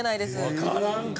わからんか。